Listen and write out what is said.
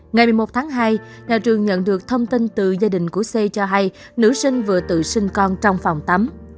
ngày một mươi một tháng hai nhà trường nhận được thông tin từ gia đình của c cho hay nữ sinh vừa tự sinh con trong phòng tắm